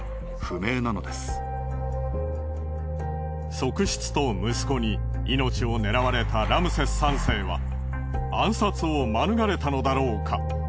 側室と息子に命を狙われたラムセス３世は暗殺を免れたのだろうか？